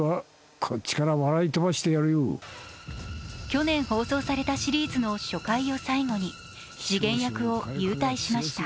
去年放送されたシリーズの初回を最後に次元役を勇退しました。